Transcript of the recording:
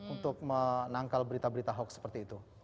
untuk menangkal berita berita hoax seperti itu